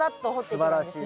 すばらしい。